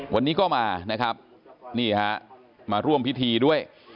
วันนี้ก็มานะครับนี่ฮะมาร่วมพิธีด้วย